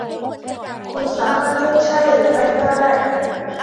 คุณสามารถเลือกใช่หรือไม่ก็ได้